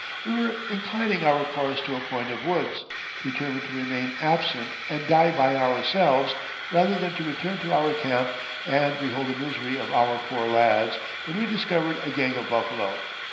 We were inclining our course to a point of woods, determined to remain absent and die by ourselves rather than to return to our camp and behold the misery of our poor lads, when we discovered a gang of buffalo."